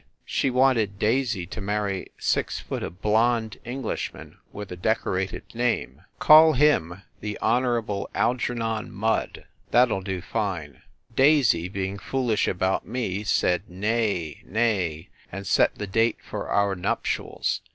She wanted Daisy to marry six foot of blonde Englishman with a decorated name. Call him the Honorable Algernon Mudde. That ll do fine. Daisy, being foolish about me, said nay, nay; and set the date for our nuptials.